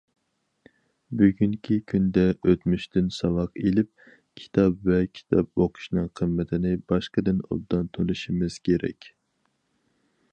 بۈگۈنكى كۈندە ئۆتمۈشتىن ساۋاق ئېلىپ، كىتاب ۋە كىتاب ئوقۇشنىڭ قىممىتىنى باشقىدىن ئوبدان تونۇشىمىز كېرەك.